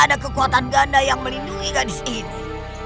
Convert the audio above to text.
ada kekuatan ganda yang melindungi gadis ini